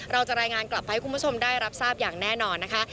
เราจะรายงานกลับไปให้คุณผู้ชมได้รับทราบอย่างแน่นอนนะคะ